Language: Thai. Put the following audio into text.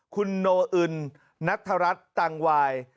คุณโนอึนนัทรัฐตังวาย